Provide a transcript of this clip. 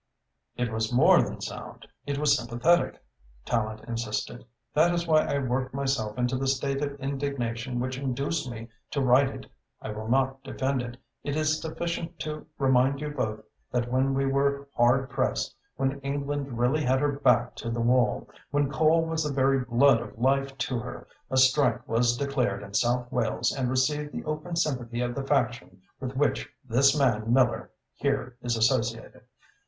"It was more than sound, it was sympathetic," Tallente insisted. "That is why I worked myself into the state of indignation which induced me to write it. I will not defend it. It is sufficient to remind you both that when we were hard pressed, when England really had her back to the wall, when coal was the very blood of life to her, a strike was declared in South Wales and received the open sympathy of the faction with which this man Miller here is associated.